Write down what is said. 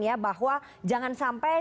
ya bahwa jangan sampai